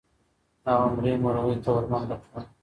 هغه مړې مرغۍ ته ورمنډه کړه.